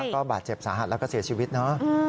ก็บาดเจ็บสาหัสแล้วก็เสียชีวิตเนอะ